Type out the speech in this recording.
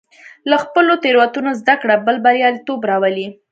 له خپلو تېروتنو زده کړه تل بریالیتوب راولي.